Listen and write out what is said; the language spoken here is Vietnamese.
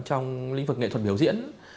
trong lĩnh vực nghệ thuật biểu diễn